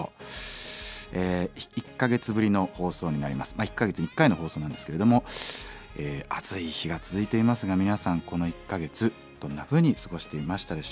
え１か月ぶりの放送になります１か月１回の放送なんですけれども暑い日が続いていますが皆さんこの１か月どんなふうに過ごしていましたでしょうか？